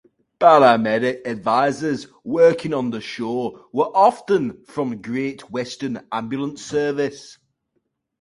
Paramedic advisers working on the show are often from Great Western Ambulance Service.